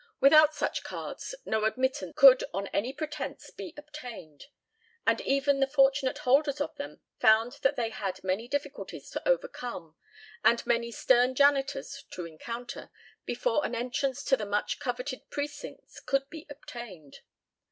Without such cards no admittance could on any pretence be obtained, and even the fortunate holders of them found that they had many difficulties to overcome, and many stern janitors to encounter, before an entrance to the much coveted precincts could be obtained.